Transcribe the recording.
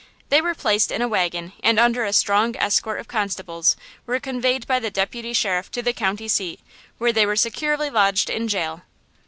They were placed in a wagon and under a strong escort of constables were conveyed by the Deputy Sheriff to the county seat, where they were securely lodged in jail.